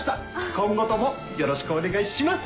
今後ともよろしくお願いします！